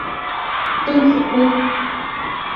邓紫飞。